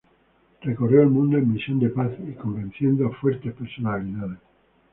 Recorrió el mundo en misión de paz y convenciendo a fuertes personalidades.